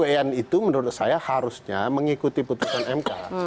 nah karena sudah diputus itu harusnya mengikuti putusan mk